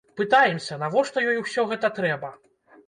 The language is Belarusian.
Пытаемся, навошта ёй ўсё гэта трэба?